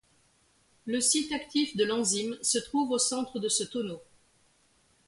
Le site actif de l'enzyme se trouve au centre de ce tonneau.